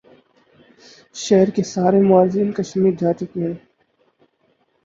شہر کے سارے معززین کشمیر جا چکے ہیں